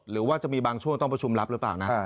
หรือว่าจะมีบางช่วงต้องประชุมรับหรือเปล่านะ